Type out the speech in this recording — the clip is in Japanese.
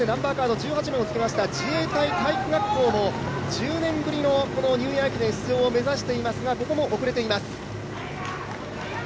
そして１８番の自衛隊体育学校も１０年ぶりのニューイヤー駅伝出場を目指していますが、ここも遅れています。